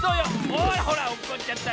ほらほらおっこっちゃった。